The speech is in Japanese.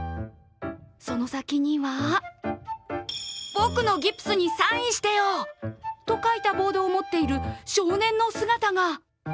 その先には僕のギブスにサインしてよと書いたボードを持っている少年の姿が。